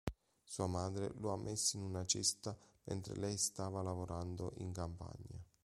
Sua madre lo ha messo in una cesta mentre lei stava lavorando in campagna.